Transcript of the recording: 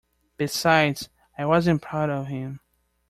Besides, I wasn't proud of him.